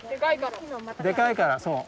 でかいからそう。